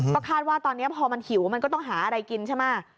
ก็คาดว่าตอนนี้พอมันหิวมันก็ต้องหาอะไรกินใช่ไหม